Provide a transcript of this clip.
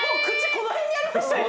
この辺にありましたよ